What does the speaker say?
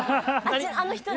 あの人に？